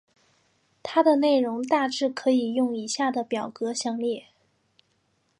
它的内容大致可以用以下的表格详列。